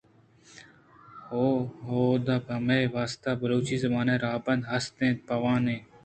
ءُ آھود ءَ پہ مئے واست ءَ بلوچی زبان ءِ راھبند ھست اَنت ءُ بہ وان ایں۔